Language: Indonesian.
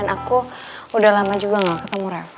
dan aku udah lama juga gak ketemu reva